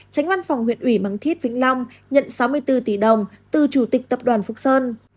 tránh văn phòng huyện ủy bằng thiết vĩnh long nhận sáu mươi bốn tỷ đồng từ chủ tịch tập đoàn phúc sơn